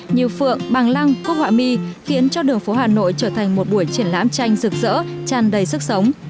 như phượng bằng lăng cúc họa mi khiến cho đường phố hà nội trở thành một buổi triển lãm tranh rực rỡ tràn đầy sức sống